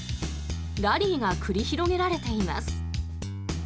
ラリーが繰り広げられています。